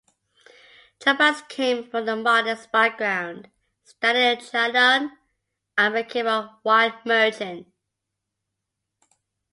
Chabas came from a modest background, studied at Chalon and became a wine merchant.